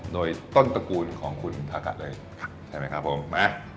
โดยต้นตระกูลของคุณทากะเลยใช่ไหมครับผมมา